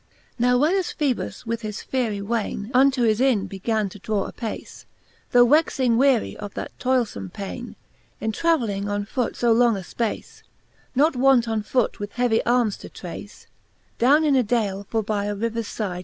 XXIX. Now when as Phoebus with his fiery wainc Unto his Inne began to draw apace j Tho wexing weary of that toylefome paine, In travelling on foote io long a fpace, Not wont on foote with heavy armes to trace, Downe in a dale forby a rivers iyde.